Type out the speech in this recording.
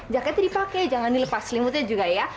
jaketnya dipakai jangan dilepas selimutnya juga ya